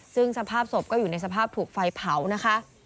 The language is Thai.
ซึ่งสภาพศพก็อยู่ในสภาพถูกไฟเผานะคะ